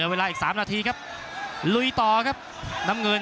ภูตวรรณสิทธิ์บุญมีน้ำเงิน